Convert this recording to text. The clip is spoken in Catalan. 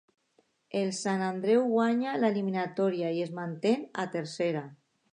El Sant Andreu guanya l'eliminatòria i es manté a Tercera.